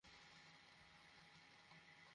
এখানে বসে মদ খেত?